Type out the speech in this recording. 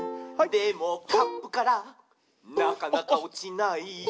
「でもカップからなかなかおちない」